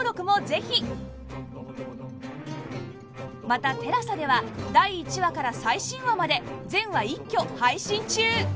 また ＴＥＬＡＳＡ では第１話から最新話まで全話一挙配信中